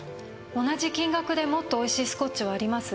同じ金額でもっと美味しいスコッチはあります。